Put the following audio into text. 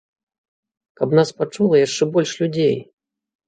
Каб нас пачула яшчэ больш людзей!